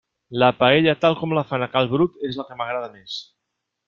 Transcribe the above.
La paella tal com la fan a cal Brut és la que m'agrada més.